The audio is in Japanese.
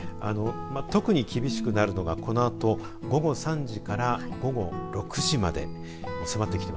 特に厳しくなるのが、このあと午後３時から午後６時までです。